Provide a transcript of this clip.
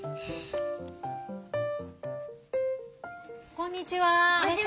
こんにちは。